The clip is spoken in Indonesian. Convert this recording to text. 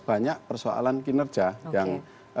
banyak persoalan kinerja yang